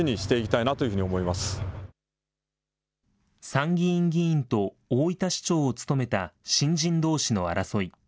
参議院議員と大分市長を務めた新人どうしの争い。